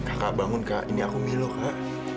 kakak bangun kak ini aku milu kak